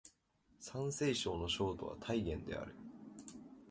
山西省の省都は太原である